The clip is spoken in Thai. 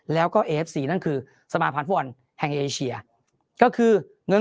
แล้วก็เอฟซีนั่นคือสมาพันธ์ฟุตบอลแห่งเอเชียก็คือเงิน